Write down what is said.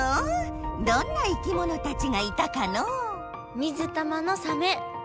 どんな生きものたちがいたかのう水玉のサメ。